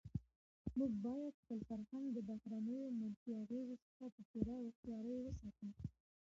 موږ باید خپل فرهنګ د بهرنیو منفي اغېزو څخه په پوره هوښیارۍ وساتو.